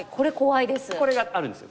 これがあるんですよ。